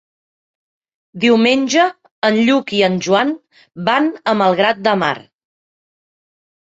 Diumenge en Lluc i en Joan van a Malgrat de Mar.